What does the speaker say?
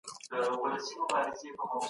اروا کلمه بېلابېلې ماناوې لري.